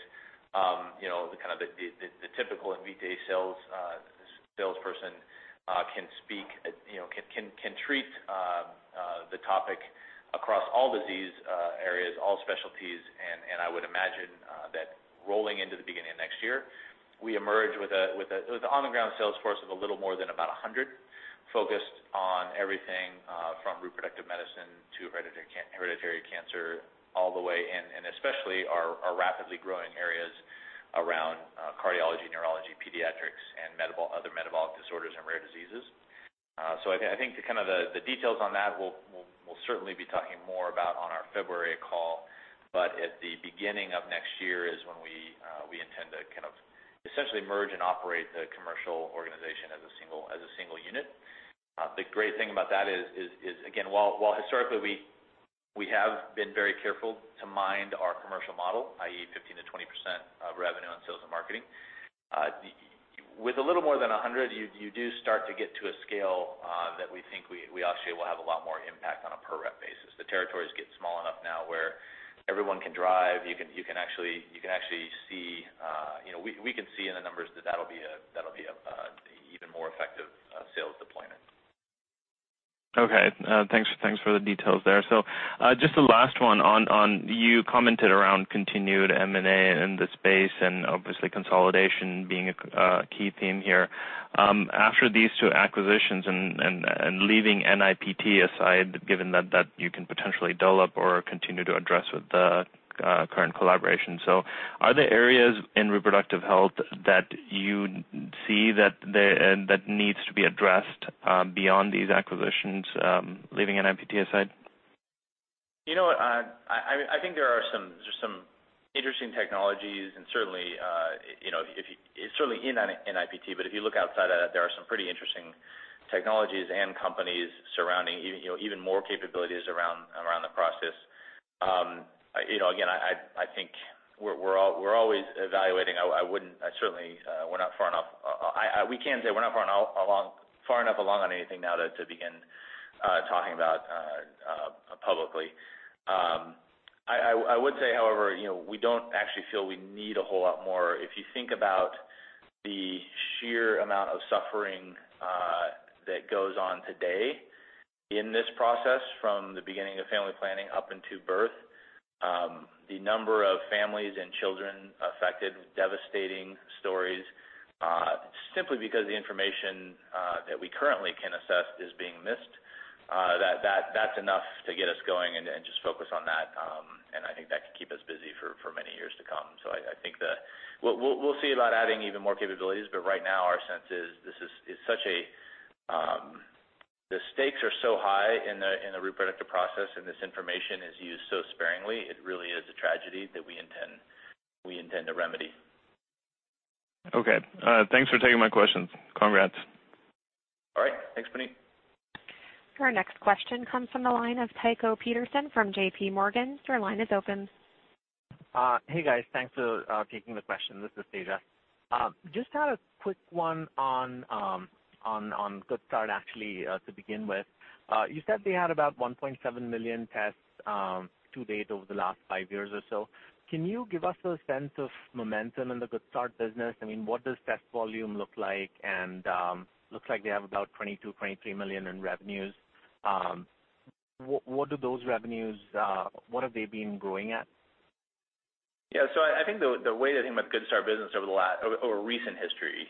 the kind of the typical Invitae salesperson can treat the topic across all disease areas, all specialties. I would imagine that rolling into the beginning of next year, we emerge with an on-the-ground sales force of a little more than about 100, focused on everything from reproductive medicine to hereditary cancer, all the way in, and especially our rapidly growing areas around cardiology, neurology, pediatrics, and other metabolic disorders and rare diseases. I think the details on that, we'll certainly be talking more about on our February call, but at the beginning of next year is when we intend to kind of essentially merge and operate the commercial organization as a single unit. The great thing about that is, again, while historically we have been very careful to mind our commercial model, i.e., 15%-20% of revenue on sales and marketing. With a little more than 100, you do start to get to a scale that we think we actually will have a lot more impact on a per rep basis. The territories get small enough now where everyone can drive. We can see in the numbers that that'll be an even more effective sales deployment. Okay. Thanks for the details there. Just the last one on, you commented around continued M&A in the space and obviously consolidation being a key theme here. After these two acquisitions and leaving NIPT aside, given that you can potentially dole up or continue to address with the current collaboration. Are there areas in reproductive health that you see that needs to be addressed beyond these acquisitions, leaving NIPT aside? I think there are some interesting technologies and certainly in NIPT. If you look outside of that, there are some pretty interesting technologies and companies surrounding even more capabilities around the process. Again, I think we're always evaluating. We can say we're not far enough along on anything now to begin talking about publicly. I would say, however, we don't actually feel we need a whole lot more. If you think about the sheer amount of suffering that goes on today in this process, from the beginning of family planning up until birth. The number of families and children affected, devastating stories, simply because the information that we currently can assess is being missed. That's enough to get us going and just focus on that. I think that could keep us busy for many years to come. I think that we'll see about adding even more capabilities, but right now our sense is the stakes are so high in the reproductive process, and this information is used so sparingly. It really is a tragedy that we intend to remedy. Okay. Thanks for taking my questions. Congrats. All right. Thanks, Puneet. Our next question comes from the line of Tycho Peterson from J.P. Morgan. Sir, line is open. Hey, guys. Thanks for taking the question. This is Tejas. Just had a quick one on Good Start actually to begin with. You said they had about 1.7 million tests to date over the last five years or so. Can you give us a sense of momentum in the Good Start business? What does test volume look like? Looks like they have about $22 million-$23 million in revenues. What have they been growing at? Yeah. I think the way to think about Good Start business over recent history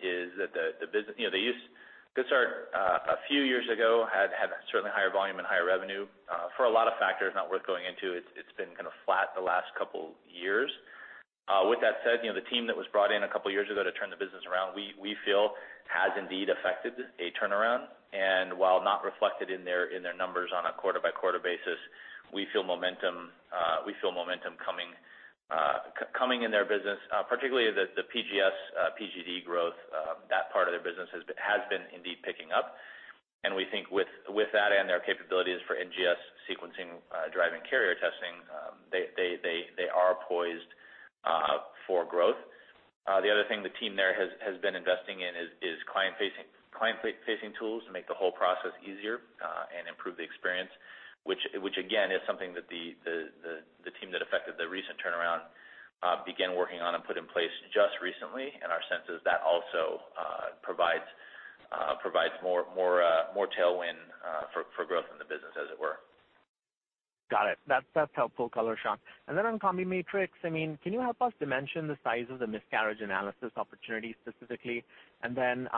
is that Good Start, a few years ago, had certainly higher volume and higher revenue. For a lot of factors not worth going into, it's been kind of flat the last couple years. With that said, the team that was brought in a couple of years ago to turn the business around, we feel has indeed affected a turnaround. While not reflected in their numbers on a quarter-by-quarter basis, we feel momentum coming in their business, particularly the PGS, PGD growth, that part of their business has been indeed picking up. We think with that and their capabilities for NGS sequencing driving carrier testing, they are poised for growth. The other thing the team there has been investing in is client-facing tools to make the whole process easier and improve the experience. Which again, is something that the team that affected the recent turnaround began working on and put in place just recently. Our sense is that also provides more tailwind for growth in the business, as it were. Got it. That's helpful color, Sean. On CombiMatrix, can you help us dimension the size of the miscarriage analysis opportunity specifically? Again,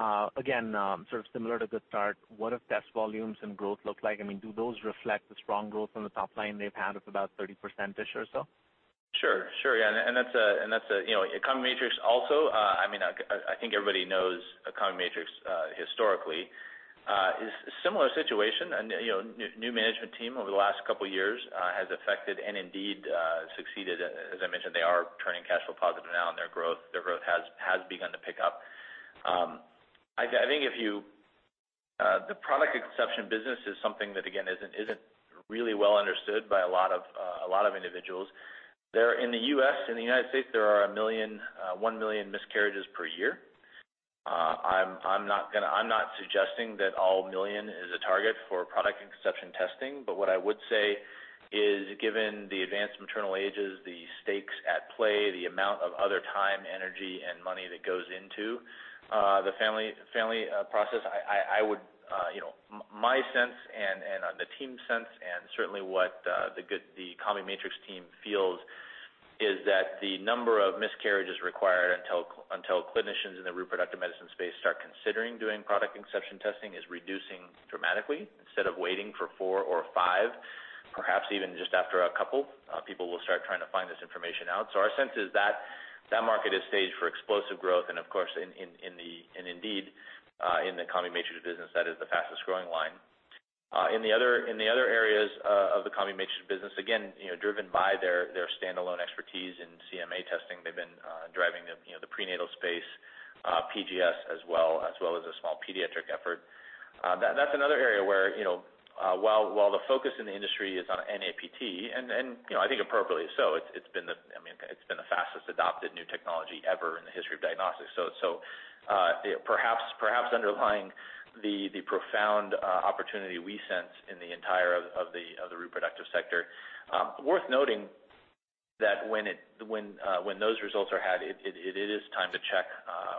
sort of similar to Good Start, what do test volumes and growth look like? Do those reflect the strong growth on the top line they've had of about 30% or so? Sure. Yeah, CombiMatrix also, I think everybody knows CombiMatrix historically. Is a similar situation and new management team over the last couple of years has affected and indeed succeeded. As I mentioned, they are turning cash flow positive now and their growth has begun to pick up. The product of conception business is something that, again, isn't really well understood by a lot of individuals. In the United States, there are 1 million miscarriages per year. I'm not suggesting that all million is a target for product of conception testing, but what I would say is, given the advanced maternal ages, the stakes at play, the amount of other time, energy, and money that goes into the family process, my sense and the team's sense, and certainly what the CombiMatrix team feels, is that the number of miscarriages required until clinicians in the reproductive medicine space start considering doing product of conception testing is reducing dramatically. Instead of waiting for four or five, perhaps even just after a couple, people will start trying to find this information out. Our sense is that that market is staged for explosive growth and of course, and indeed, in the CombiMatrix business, that is the fastest growing line. In the other areas of the CombiMatrix business, again, driven by their standalone expertise in CMA testing, they've been driving the prenatal space, PGS as well, as well as a small pediatric effort. That's another area where, while the focus in the industry is on NIPT, I think appropriately so, it's been the fastest adopted new technology ever in the history of diagnostics. Perhaps underlying the profound opportunity we sense in the entire of the reproductive sector. Worth noting that when those results are had, it is time to check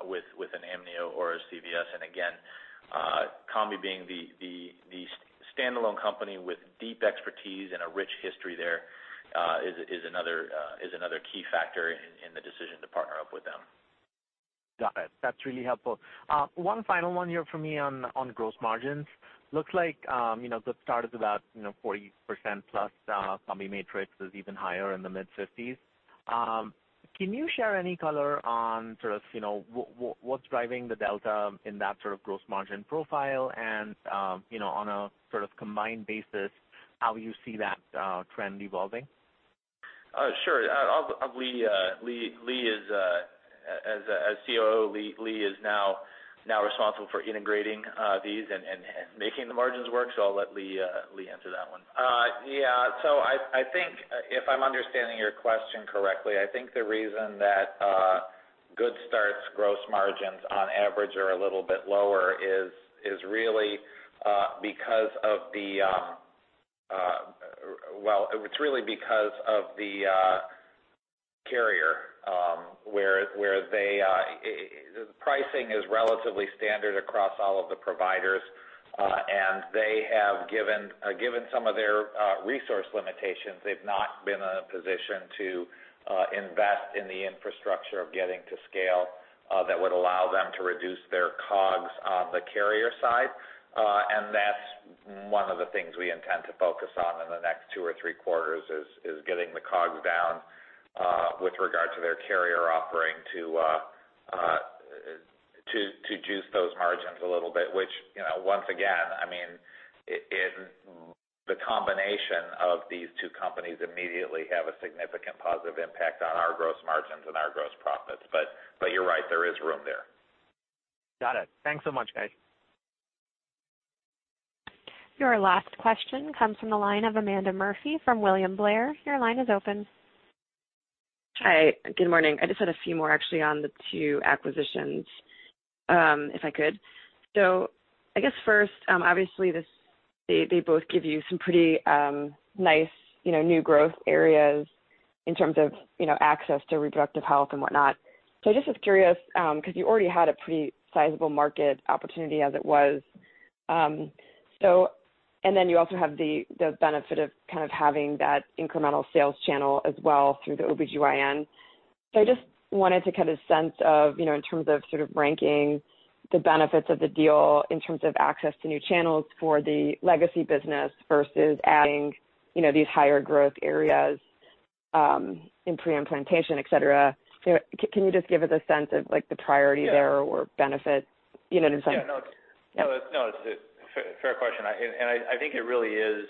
with an amnio or a CVS. Again, Combi being the standalone company with deep expertise and a rich history there, is another key factor in the decision to partner up with them. Got it. That's really helpful. One final one here from me on gross margins. Looks like Good Start is about 40%+. CombiMatrix is even higher in the mid-50s. Can you share any color on what's driving the delta in that sort of gross margin profile and, on a sort of combined basis, how you see that trend evolving? Sure. As COO, Lee is now responsible for integrating these and making the margins work, I'll let Lee answer that one. Yeah. I think if I'm understanding your question correctly, I think the reason that Good Start's gross margins on average are a little bit lower is really because of the carrier, where the pricing is relatively standard across all of the providers. Given some of their resource limitations, they've not been in a position to invest in the infrastructure of getting to scale that would allow them to reduce their COGS on the carrier side. That's one of the things we intend to focus on in the next two or three quarters is getting the COGS down with regard to their carrier offering to juice those margins a little bit, which, once again, the combination of these two companies immediately have a significant positive impact on our gross margins and our gross profits. You're right, there is room there. Got it. Thanks so much, guys. Your last question comes from the line of Amanda Murphy from William Blair. Your line is open. Hi. Good morning. I just had a few more, actually, on the two acquisitions, if I could. I guess first, obviously they both give you some pretty nice new growth areas in terms of access to reproductive health and whatnot. I just was curious, because you already had a pretty sizable market opportunity as it was. You also have the benefit of kind of having that incremental sales channel as well through the OBGYN. I just wanted to get a sense of in terms of sort of ranking the benefits of the deal in terms of access to new channels for the legacy business versus adding these higher growth areas in pre-implantation, et cetera. Can you just give us a sense of the priority there- Yeah or benefit? You know what I'm saying? Yeah, no. Yeah. No, it's a fair question. I think it really is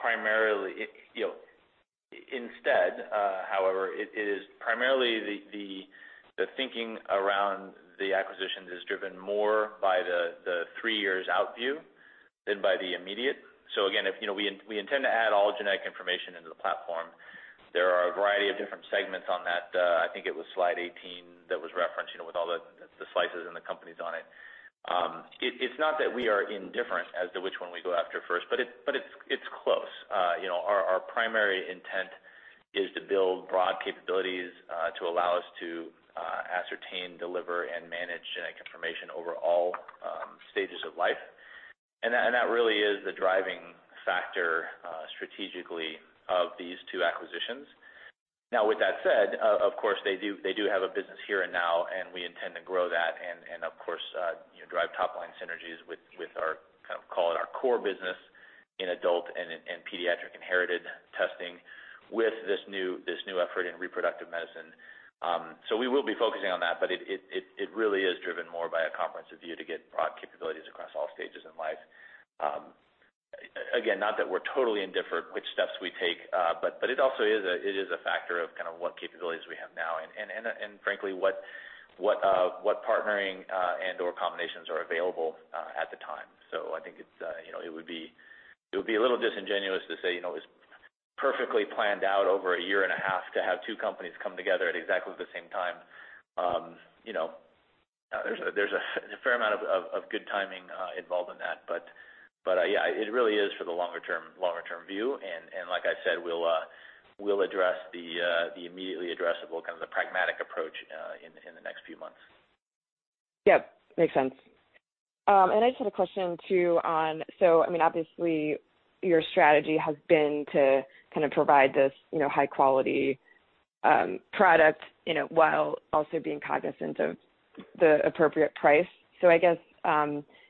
primarily the thinking around the acquisitions is driven more by the 3 years out view than by the immediate. Again, we intend to add all genetic information into the platform. There are a variety of different segments on that, I think it was slide 18 that was referenced, with all the slices and the companies on it. It's not that we are indifferent as to which one we go after first, but it's close. Our primary intent is to build broad capabilities, to allow us to ascertain, deliver, and manage genetic information over all stages of life. That really is the driving factor, strategically, of these two acquisitions. With that said, of course, they do have a business here and now, we intend to grow that and of course, drive top-line synergies with our, call it our core business in adult and pediatric inherited testing with this new effort in reproductive medicine. We will be focusing on that, but it really is driven more by a comprehensive view to get broad capabilities across all stages in life. Again, not that we're totally indifferent which steps we take, but it also is a factor of kind of what capabilities we have now and frankly, what partnering and/or combinations are available at the time. I think it would be a little disingenuous to say, it was perfectly planned out over a year and a half to have two companies come together at exactly the same time. There's a fair amount of good timing involved in that. Yeah, it really is for the longer-term view, and like I said, we'll address the immediately addressable kind of the pragmatic approach in the next few months. Yep. Makes sense. I just had a question too on, I mean, obviously your strategy has been to kind of provide this high-quality product while also being cognizant of the appropriate price. I guess,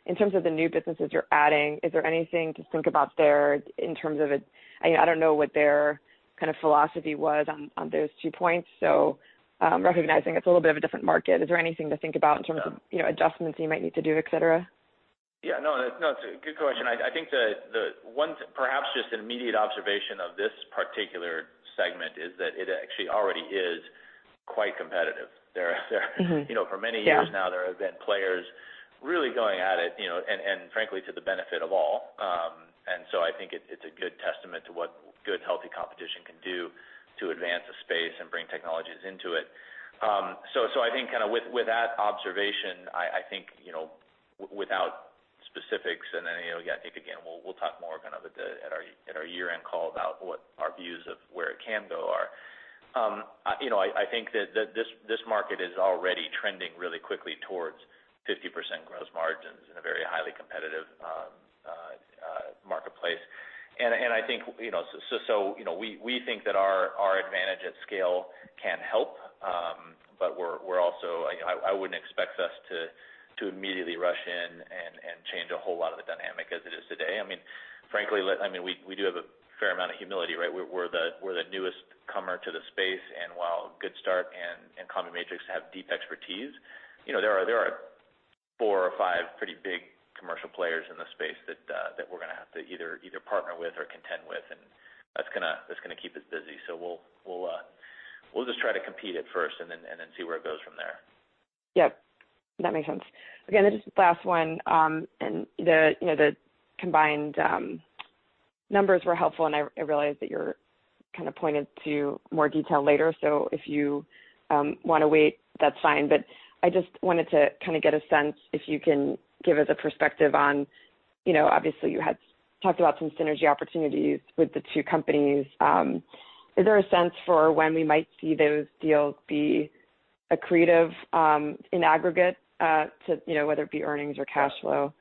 in terms of the new businesses you're adding, is there anything to think about there in terms of I don't know what their kind of philosophy was on those two points. recognizing it's a little bit of a different market, is there anything to think about in terms of Yeah adjustments you might need to do, et cetera? Yeah, no. It's a good question. I think perhaps just an immediate observation of this particular segment is that it actually already is quite competitive. Mm-hmm. Yeah. For many years now, there have been players really going at it, frankly, to the benefit of all. I think it's a good testament to what good, healthy competition can do to advance a space and bring technologies into it. I think with that observation, I think, without specifics, then, I think again, we'll talk more at our year-end call about what our views of where it can go are. I think that this market is already trending really quickly towards 50% gross margins in a very highly competitive marketplace. We think that our advantage at scale can help, but I wouldn't expect us to immediately rush in and change a whole lot of the dynamic as it is today. Frankly, we do have a fair amount of humility, right? We're the newest comer to the space, and while Good Start and CombiMatrix have deep expertise, there are four or five pretty big commercial players in the space that we're going to have to either partner with or contend with, and that's going to keep us busy. We'll just try to compete at first and then see where it goes from there. Yep. That makes sense. Okay, this is last one. The combined numbers were helpful, and I realize that you're kind of pointed to more detail later. If you want to wait, that's fine. I just wanted to kind of get a sense if you can give us a perspective on, obviously you had talked about some synergy opportunities with the two companies. Is there a sense for when we might see those deals be accretive in aggregate to, whether it be earnings or cash flow?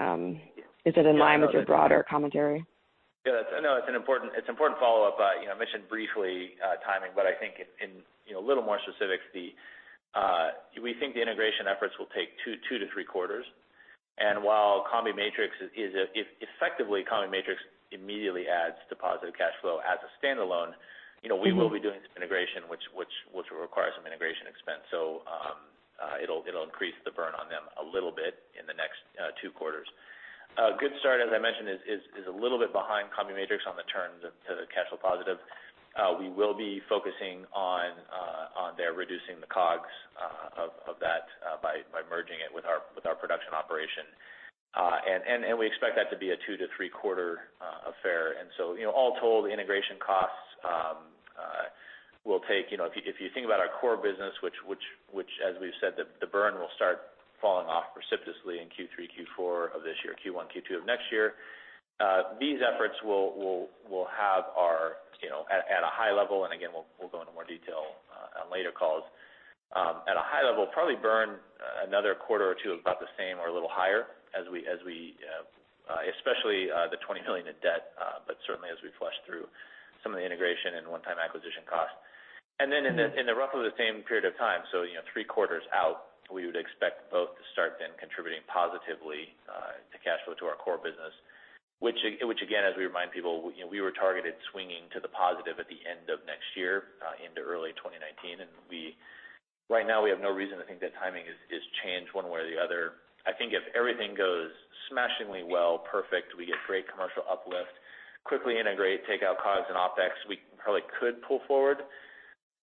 Is it in line- Yeah, no, it's- with your broader commentary? Yes. No, it's an important follow-up. I mentioned briefly timing, but I think in a little more specifics, we think the integration efforts will take two to three quarters. While CombiMatrix effectively immediately adds to positive cash flow as a standalone. We will be doing this integration, which will require some integration expense. It'll increase the burn on them a little bit in the next two quarters. Good Start, as I mentioned, is a little bit behind CombiMatrix on the turn to the cash flow positive. We will be focusing on their reducing the COGS of that by merging it with our production operation. We expect that to be a two to three-quarter affair. All told, integration costs will take. If you think about our core business, which as we've said, the burn will start falling off precipitously in Q3, Q4 of this year, Q1, Q2 of next year. These efforts will have. At a high level, again, we'll go into more detail on later calls. At a high level, probably burn another quarter or two of about the same or a little higher as we, especially the $20 million in debt, but certainly as we flush through some of the integration and one-time acquisition costs. In the roughly the same period of time, so three quarters out, we would expect both to start then contributing positively to cash flow to our core business. Which again, as we remind people, we were targeted swinging to the positive at the end of next year into early 2019, and right now we have no reason to think that timing is changed one way or the other. I think if everything goes smashingly well, perfect, we get great commercial uplift, quickly integrate, take out COGS and OpEx, we probably could pull forward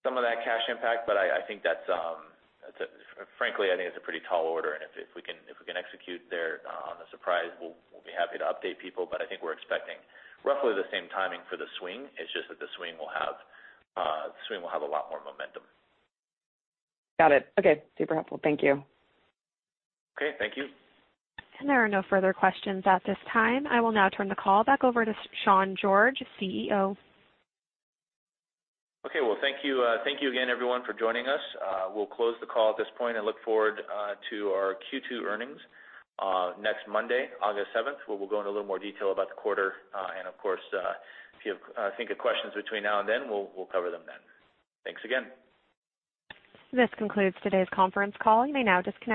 some of that cash impact. Frankly, I think it's a pretty tall order. If we can execute there on the surprise, we'll be happy to update people. I think we're expecting roughly the same timing for the swing, it's just that the swing will have a lot more momentum. Got it. Okay. Super helpful. Thank you. Okay. Thank you. There are no further questions at this time. I will now turn the call back over to Sean George, CEO. Well, thank you again everyone for joining us. We'll close the call at this point and look forward to our Q2 earnings next Monday, August 7th, where we'll go into a little more detail about the quarter. Of course, if you think of questions between now and then, we'll cover them then. Thanks again. This concludes today's conference call. You may now disconnect.